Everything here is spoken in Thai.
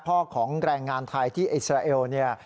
ของแรงงานไทยที่อิสราเอลเนี่ย